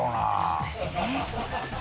そうですね。